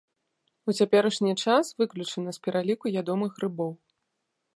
У цяперашні час выключана з пераліку ядомых грыбоў.